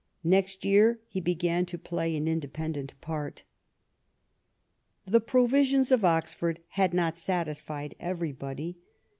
Next year he began to play an inde pendent part. The Provisions of Oxford had not satisfied everybody.